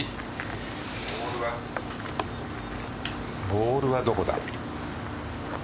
ボールはどこだ。